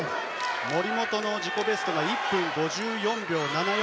森本の自己ベストは１分５４秒７４。